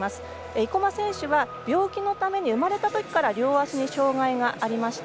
生馬選手は病気のために生まれたときから両足に障がいがありました。